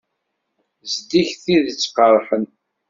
Zeddiget tidet qeṛṛḥen.